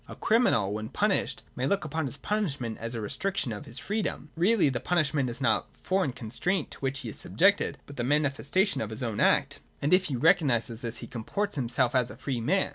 A criminal, when punished, may look upon his punishment as a restriction of his freedom. Really the punishment is not foreign constraint to which he is sub jected, but the manifestation of his own act : and if he recog nises this, he comports himself as a free man.